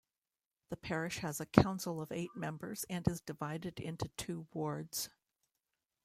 The parish has a council of eight members and is divided into two wards.